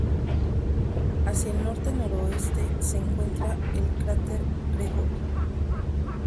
Hacia el norte-noreste se encuentra el cráter Gregory.